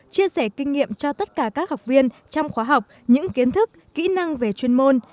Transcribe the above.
chia sẻ kinh nghiệm cho tất cả các học viên trong khóa học những kiến thức kỹ năng về chuyên môn